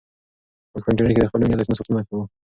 موږ په انټرنیټ کې د خپلو ملي ارزښتونو ساتنه کوو.